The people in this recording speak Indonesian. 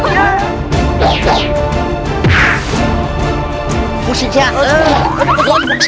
masih hidup masih ayah kek ini masih anak